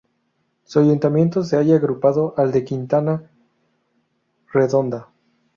Su ayuntamiento se halla agrupado al de Quintana Redonda.